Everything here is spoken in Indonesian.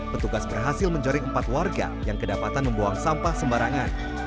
petugas berhasil mencoring empat warga yang kedapatan membuang sampah sembarangan